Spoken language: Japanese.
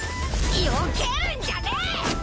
よけるんじゃねえ！